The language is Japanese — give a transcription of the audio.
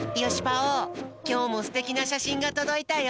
きょうもすてきなしゃしんがとどいたよ！